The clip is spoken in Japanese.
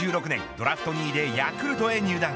ドラフト２位でヤクルトへ入団。